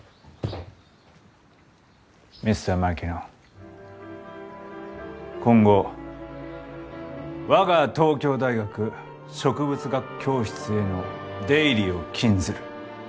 Ｍｒ．Ｍａｋｉｎｏ．今後我が東京大学植物学教室への出入りを禁ずる。